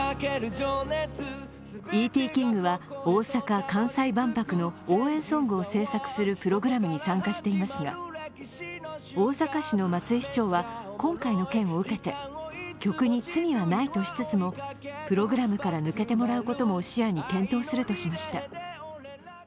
ＥＴ−ＫＩＮＧは、大阪・関西万博の応援ソングを制作するプログラムに参加していますが、大阪市の松井市長は今回の件を受けて、曲に罪はないとしつつも、プログラムから抜けてもらうことも視野に検討するとしました。